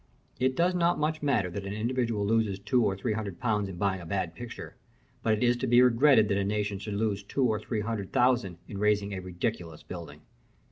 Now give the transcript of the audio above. It does not much matter that an individual loses two or three hundred pounds in buying a bad picture, but it is to be regretted that a nation should lose two or three hundred thousand in raising a ridiculous building.